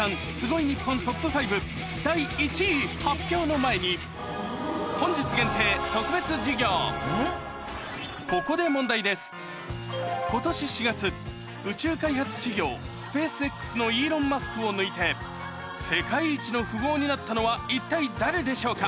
第１位発表の前にここで今年４月宇宙開発企業スペースＸのイーロン・マスクを抜いて世界一の富豪になったのは一体誰でしょうか？